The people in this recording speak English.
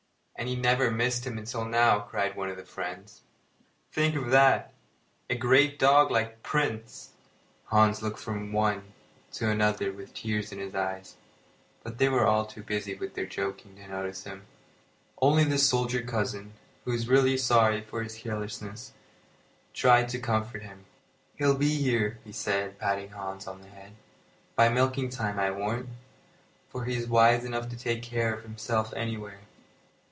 "And he never missed him until now," cried the friends. "Think of that a great dog like Prince!" Hans looked from one to another with tears in his eyes; but they were all too busy with their joking to notice him. Only the soldier cousin, who was really sorry for his carelessness, tried to comfort him. "He'll be here," he said, patting Hans on the head, "by milking time, I warrant; for he is wise enough to take care of himself anywhere."